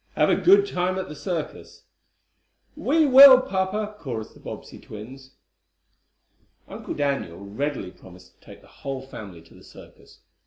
Have a good time at the circus." "We will, papa!" chorused the Bobbsey twins. Uncle Daniel readily promised to take the whole family to the circus.